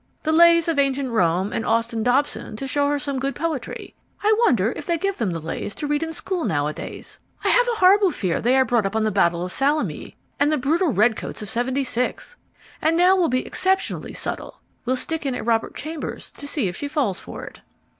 The Lays of Ancient Rome and Austin Dobson to show her some good poetry. I wonder if they give them The Lays to read in school nowadays? I have a horrible fear they are brought up on the battle of Salamis and the brutal redcoats of '76. And now we'll be exceptionally subtle: we'll stick in a Robert Chambers to see if she falls for it."